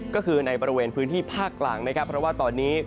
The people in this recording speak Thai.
ก็คือในบริเวณพื้นที่ภาคกลางนะครับเพราะว่าตอนนี้